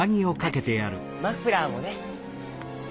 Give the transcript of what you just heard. マフラーもね。